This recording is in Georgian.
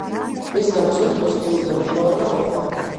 მის გამოსვლას პოზიტიური გამოხმაურება მოჰყვა.